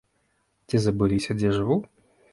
Ці забыліся, дзе жыву?